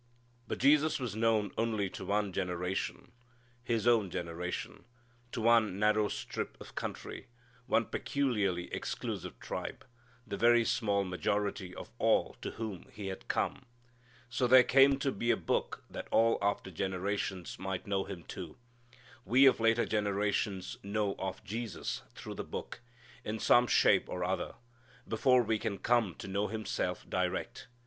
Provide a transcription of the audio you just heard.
But Jesus was known only to one generation His own generation to one narrow strip of country, one peculiarly exclusive tribe, the very small majority of all to whom He had come. So there came to be a Book that all after generations might know Him too. We of later generations know of Jesus through the Book, in some shape or other, before we can come to know Himself direct.